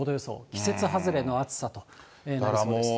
季節外れの暑さとなりそうです。